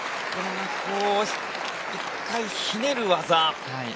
１回ひねる技。